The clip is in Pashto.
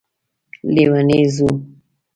لیونی ځو